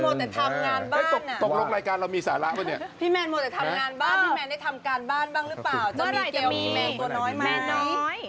พี่แมนหมดจะทำงานบ้านพี่แมนได้ทำการบ้านบ้างหรือเปล่า